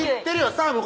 サーモン